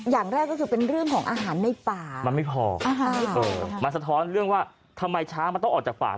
อย่างแรกก็คือเป็นเรื่องของอาหารในป่ามันไม่พอมันสะท้อนเรื่องว่าทำไมช้างมันต้องออกจากป่า